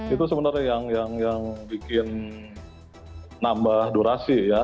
itu sebenarnya yang bikin nambah durasi ya